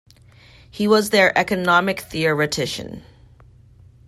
He was their economic theoretician.